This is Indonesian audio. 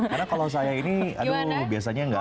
karena kalau saya ini aduh biasanya gak